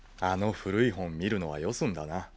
あの古い本見るのはよすんだな。